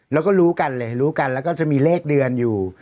แล้วก็รู้กันเลยรู้กันแล้วก็จะมีเลขเดือนอยู่